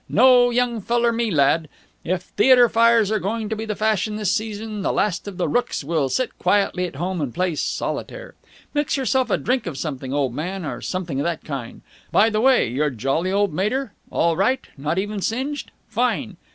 No, young feller me lad! If theatre fires are going to be the fashion this season, the Last of the Rookes will sit quietly at home and play solitaire. Mix yourself a drink of something, old man, or something of that kind. By the way, your jolly old mater. All right? Not even singed? Fine!